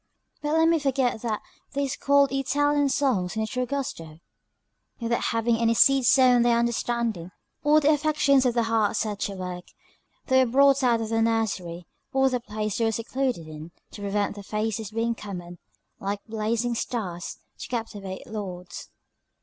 But let me not forget that they squalled Italian songs in the true gusto. Without having any seeds sown in their understanding, or the affections of the heart set to work, they were brought out of their nursery, or the place they were secluded in, to prevent their faces being common; like blazing stars, to captivate Lords.